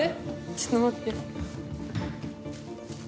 ちょっと待って。